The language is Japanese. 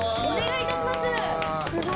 お願いいたします。